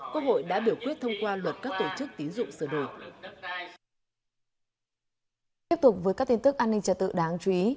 quốc hội đã biểu quyết thông qua luật các tổ chức tín dụng sửa đổi